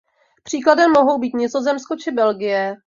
Příkladem mohou být Nizozemsko či Belgie.